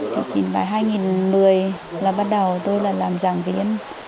thì vào hai nghìn một mươi là bắt đầu tôi là làm giảng viên